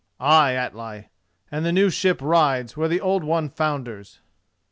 "Ay, Atli, and the new ship rides, where the old one founders."